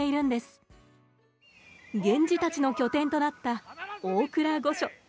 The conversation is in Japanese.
源氏たちの拠点となった大倉御所。